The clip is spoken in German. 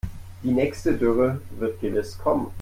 Die nächste Dürre wird gewiss kommen.